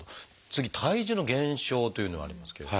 次「体重の減少」というのがありますけど。